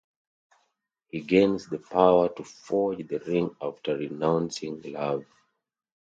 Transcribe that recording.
He gains the power to forge the ring after renouncing love.